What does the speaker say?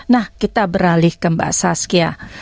nah kita beralih ke mbak saskia